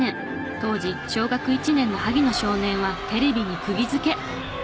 当時小学１年の萩野少年はテレビに釘付け！